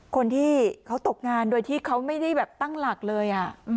คนที่เขาตกงานโดยที่เขาไม่ได้แบบตั้งหลักเลย